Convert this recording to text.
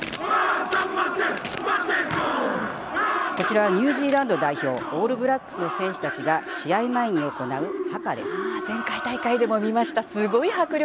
こちらはニュージーランド代表オールブラックスの選手たちが前回大会でも見ました。